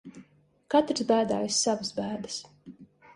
Katrs bēdājas savas bēdas.